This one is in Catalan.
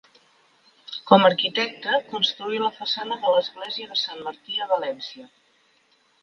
Com a arquitecte construí la façana de l'església de sant Martí a València.